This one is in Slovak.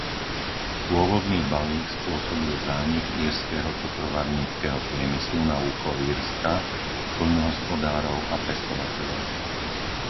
Pôvodný balík spôsobil zánik írskeho cukrovarníckeho priemyslu na úkor Írska, poľnohospodárov a pestovateľov.